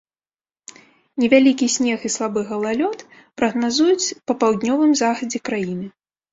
Невялікі снег і слабы галалёд прагназуюць па паўднёвым захадзе краіны.